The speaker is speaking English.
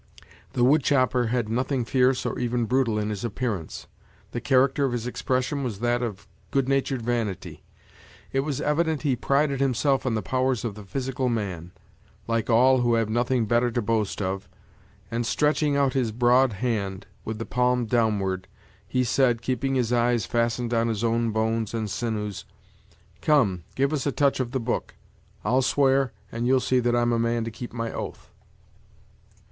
The wood chopper had nothing fierce or even brutal in his appearance; the character of his expression was that of good natured vanity. It was evident he prided himself on the powers of the physical man, like all who have nothing better to boast of; and, stretching out his broad hand, with the palm downward, he said, keeping his eyes fastened on his own bones and sinews: "Come, give us a touch of the book. I'll swear, and you'll see that I'm a man to keep my oath."